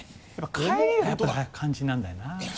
帰りがやっぱ肝心なんだよな。